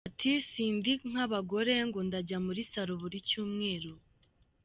Ati “Si ndi nk’abagore ngo ndajya muri Salon buri cyumweru.